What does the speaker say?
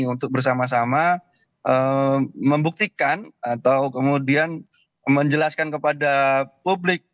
untuk bersama sama membuktikan atau kemudian menjelaskan kepada publik